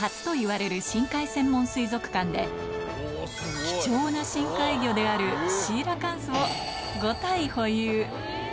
世界初といわれる深海専門水族館で、貴重な深海魚であるシーラカンスを５体保有。